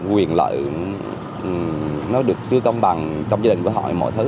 quyền lợi nó được chưa công bằng trong gia đình của họ mọi thứ